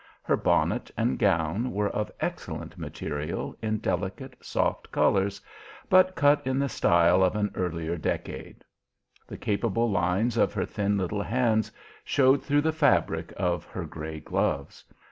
Her bonnet and gown were of excellent material in delicate soft colours, but cut in the style of an earlier decade. The capable lines of her thin little hands showed through the fabric of her grey gloves.